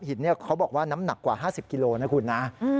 เขาบอกว่าน้ำหนักกว่า๕๐กิโลนะคุณนะ